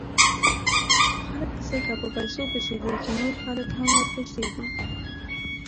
خلک ځکه په پیسو پسې دي، چې نور خلک هم ورپسې دي.